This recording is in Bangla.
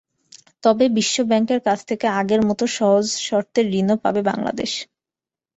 তবে বিশ্বব্যাংকের কাছ থেকে আগের মতো সহজ শর্তের ঋণও পাবে বাংলাদেশ।